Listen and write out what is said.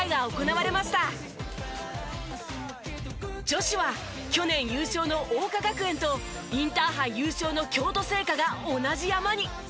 女子は去年優勝の桜花学園とインターハイ優勝の京都精華が同じ山に。